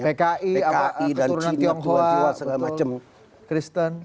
pki keturunan tionghoa kristen